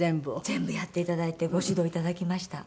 全部やっていただいてご指導いただきました。